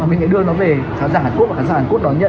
và mình lại đưa nó về khán giả hàn quốc và khán giả hàn quốc đó nhận